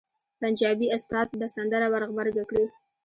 پنجابي استاد به سندره ور غبرګه کړي.